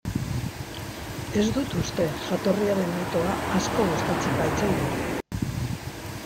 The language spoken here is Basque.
Ez dut uste, jatorriaren mitoa asko gustatzen baitzaigu.